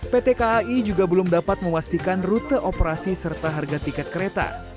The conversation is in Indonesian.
pt kai juga belum dapat memastikan rute operasi serta harga tiket kereta